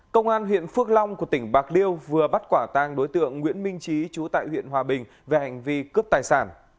công an huyện phước long của tỉnh bạc liêu vừa bắt quả tang đối tượng nguyễn minh trí chú tại huyện hòa bình về hành vi cướp tài sản